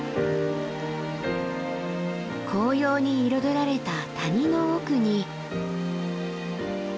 紅葉に彩られた谷の奥に。